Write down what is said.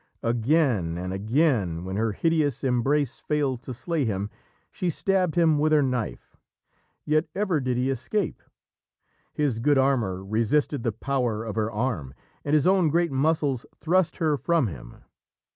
Again and again, when her hideous embrace failed to slay him, she stabbed him with her knife. Yet ever did he escape. His good armour resisted the power of her arm, and his own great muscles thrust her from him.